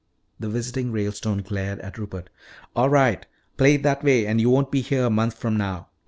The visiting Ralestone glared at Rupert. "All right. Play it that way and you won't be here a month from now.